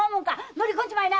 乗り込んじまいな！